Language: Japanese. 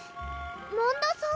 紋田さん？